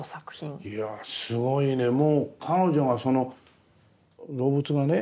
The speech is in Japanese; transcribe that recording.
いやすごいねもう彼女がその動物がね